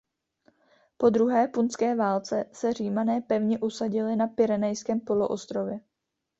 Po druhé punské válce se Římané pevně usadili na Pyrenejském poloostrově.